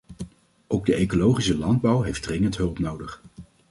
Ook de ecologische landbouw heeft dringend hulp nodig.